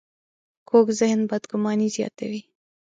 کوږ ذهن بدګماني زیاتوي